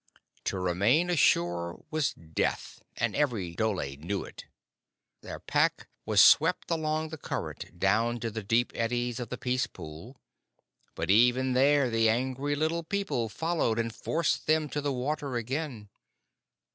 To remain ashore was death, and every dhole knew it. Their pack was swept along the current, down to the deep eddies of the Peace Pool, but even there the angry Little People followed and forced them to the water again.